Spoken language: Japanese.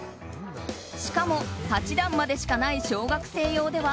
しかも、８段までしかない小学生用では